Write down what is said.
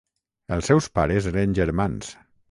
Els seus pares eren germans.